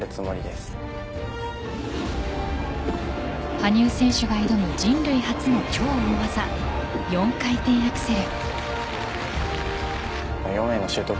羽生選手が挑む人類初の超大技４回転アクセル。